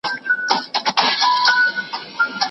د شاعر د سبک سپړنه هغه وخت کېږي چې دیوان ولري.